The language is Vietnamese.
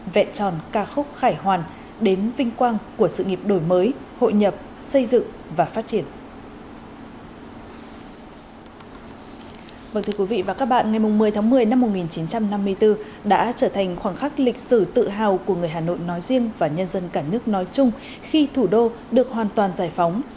vâng thưa quý vị và các bạn ngày một mươi tháng một mươi năm một nghìn chín trăm năm mươi bốn đã trở thành khoảng khắc lịch sử tự hào của người hà nội nói riêng và nhân dân cả nước nói chung khi thủ đô được hoàn toàn giải phóng